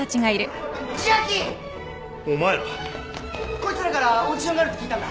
こいつらからオーディションがあるって聞いたんだ。